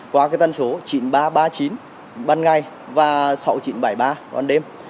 qua cái tân số chín nghìn ba trăm ba mươi chín ban ngày và sáu nghìn chín trăm bảy mươi ba ban đêm